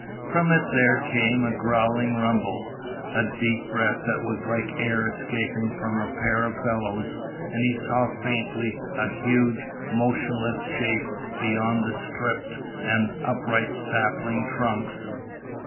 From it there came a growling rumble, a deep breath that was like air escaping from a pair of bellows, and he saw faintly a huge, motionless shape beyond the stripped and upright sapling trunks.